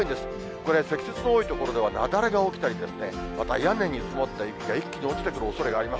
これ、積雪の多い所では、雪崩が起きたり、屋根に積もった雪が一気に落ちてくるおそれがあります。